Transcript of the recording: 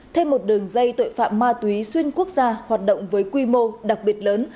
thêm một đường dây tội phạm ma túy xuyên quốc gia hoạt động với quy mô đặc biệt lớn